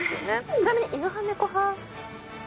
ちなみに犬派猫派？